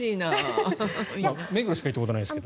目黒しか行ったことないですけど。